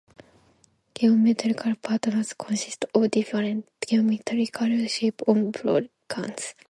Geometrical patterns consists of different geometrical shapes and polygons.